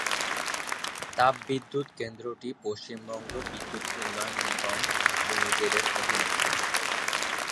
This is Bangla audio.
তাপবিদ্যুৎ কেন্দ্রটি পশ্চিমবঙ্গ বিদ্যুৎ উন্নয়ন নিগম লিমিটেড এর অধীনস্থ।